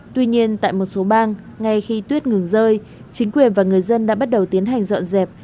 tuy nhiên tại một số bang ngay khi tuyết ngừng rơi chính quyền và người dân đã bắt đầu tiến hành dọn dẹp